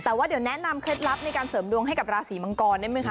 แต่ว่าเดี๋ยวแนะนำเคล็ดลับในการเสริมดวงให้กับราศีมังกรได้ไหมคะ